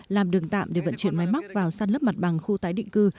làm đường tạm để vận chuyển máy móc vào sát lớp mặt bằng khu tái định cư